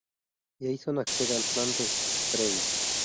Jason accede al plan de Freddy.